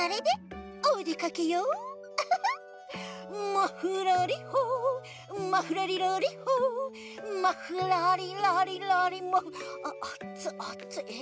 「マフラリホマフラリラリホマフラリラリラリマ」あっあっつあっつえ？